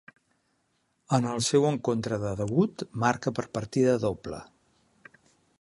En el seu encontre de debut, marca per partida doble.